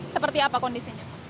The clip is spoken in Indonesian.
seperti apa kondisinya